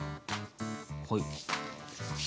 はい。